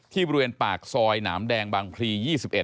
บริเวณปากซอยหนามแดงบางพลี๒๑